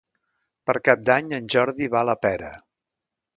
Per Cap d'Any en Jordi va a la Pera.